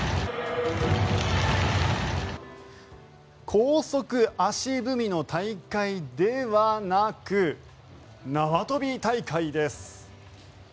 高速足踏みの大会ではなく縄跳び大会です。